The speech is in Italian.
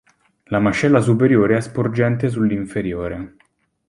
La mascella superiore è sporgente sull'inferiore.